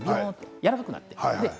やわらかくなって。